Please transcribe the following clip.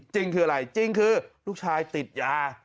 จริงคืออะไรจริงคือลูกชายติดยา